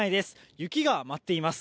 雪が舞っています。